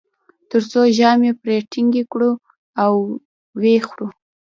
تر څو ژامې پرې ټینګې کړو او و یې خورو.